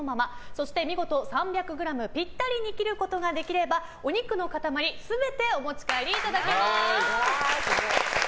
そして、見事３００ｇピッタリに切ることができればお肉の塊全てお持ち帰りいただけます。